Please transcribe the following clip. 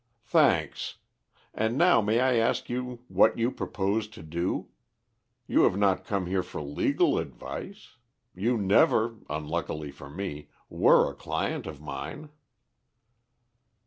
"Thanks. And now may I ask what you propose to do? You have not come here for legal advice. You never, unluckily for me, were a client of mine."